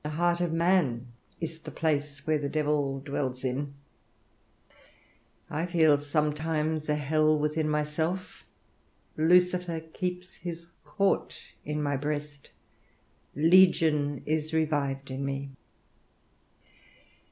The heart of man is the place the Devil dwells in: I feel sometimes a hell within myself; Lucifer keeps his court in my breast; Legion is revived in me.